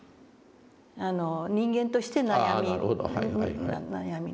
人間として悩み悩みのね。